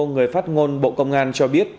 người phát ngôn bộ công an cho biết